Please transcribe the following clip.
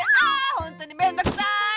ほんとにめんどくさい。